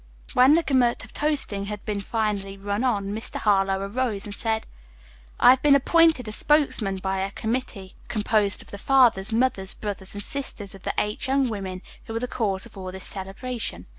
When the gamut of toasting had been finally run, Mr. Harlowe arose and said: "I have been appointed as spokesman by a committee composed of the fathers, mothers, brothers and sisters of the eight young women who are the cause of all this celebration.